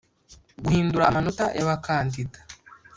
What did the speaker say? Guhindura amanota y abakandida